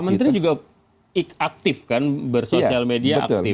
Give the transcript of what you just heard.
menteri juga aktif kan bersosial media aktif